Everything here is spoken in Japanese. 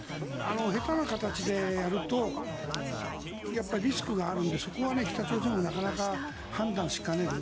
下手な形でやるとリスクがあるのでそこは北朝鮮もなかなか判断しかねる。